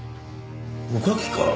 おかきか。